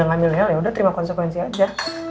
nggak ngambilnya el yaudah terima konsekuensi aja